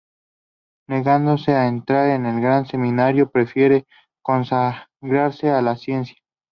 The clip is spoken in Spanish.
Negándose a entrar en el gran seminario, prefiere consagrarse a la ciencia.